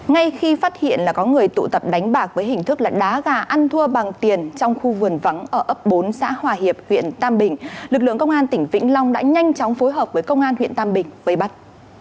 ngay khi phát hiện là có người tụ tập đánh bạc với hình thức là đá gà ăn thua bằng tiền trong khu vườn vắng ở ấp bốn xã hòa hiệp huyện tam bình lực lượng công an tỉnh vĩnh long đã nhanh chóng phối hợp với công an huyện tam bình vây bắt